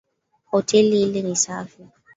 Hoteli ile ni safi.